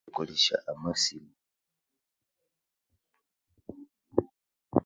Erikolesya amasimu hwahhh kuku